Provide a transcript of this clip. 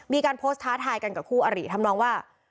มีการโพสต์ท้าทายกันกับคู่อริทำนองว่า